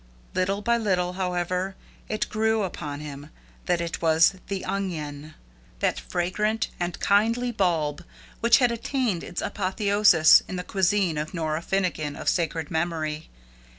Little by little, however, it grew upon him, that it was the onion that fragrant and kindly bulb which had attained its apotheosis in the cuisine of Nora Finnegan of sacred memory.